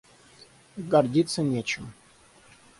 Гордиться нечем.